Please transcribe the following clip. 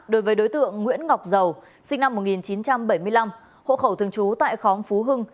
đối với đối tượng nguyễn ngọc giàu sinh năm một nghìn chín trăm bảy mươi năm hộ khẩu thường trú tại khóng phú hưng